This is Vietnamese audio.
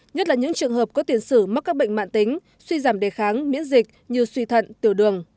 nhất là những trường hợp có tiền sử mắc các bệnh mạng tính suy giảm đề kháng miễn dịch như suy thận tiểu đường